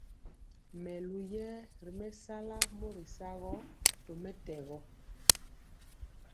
Melu yɛɛ ri mɛsala mɔri sagɔ tɔmɛtɛgɔ.